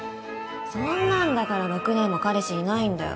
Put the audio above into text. そんなんだから６年も彼氏いないんだよ。